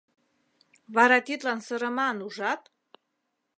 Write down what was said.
Вара тидлан сырыман ужат?